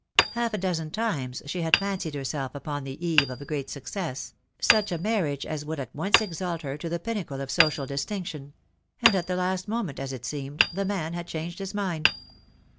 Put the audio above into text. Half a dozen times she had fancied herself upon the eve of a great success — such a marriage as would at once exalt her to the pinnacle of social distinction — and at the last moment, as it seemed, the man had changed his mind.